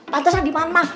pantes lah di mana mah